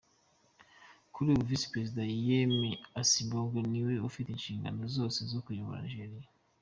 Kuri ubu Visi Perezida Yemi Osinbajo niwe ufite inshingano zose zo kuyobora Nigeria.